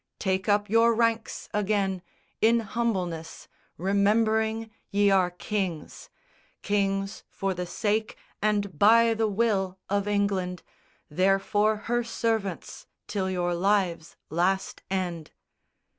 Take up your ranks again In humbleness, remembering ye are kings, Kings for the sake and by the will of England, Therefore her servants till your lives' last end.